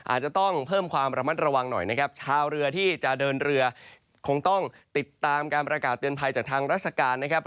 อาจจะต้องเพิ่มความระมัดระวังหน่อยนะครับชาวเรือที่จะเดินเรือคงต้องติดตามการประกาศเตือนภัยจากทางราชการนะครับ